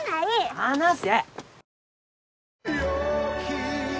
離せ！